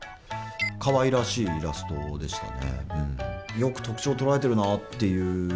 かわいらしいイラストでしたね。